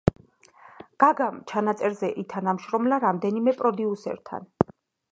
გაგამ ჩანაწერზე ითანამშრომლა რამდენიმე პროდიუსერთან.